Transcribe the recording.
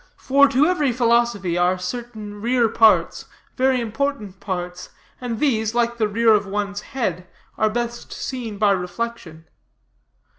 For to every philosophy are certain rear parts, very important parts, and these, like the rear of one's head, are best seen by reflection.